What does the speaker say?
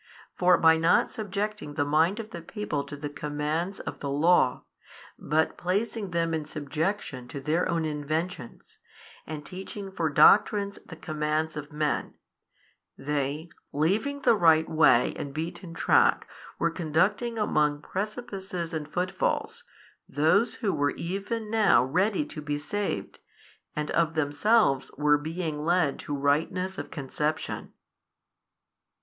For by not subjecting the mind of the people to the commands of the Law, but placing them in subjection to their own inventions, and teaching for doctrines the commands of men, they, leaving the right way and beaten track were conducting among precipices and foot falls, those who were even now ready to be saved and of themselves were being led to rightness of conception.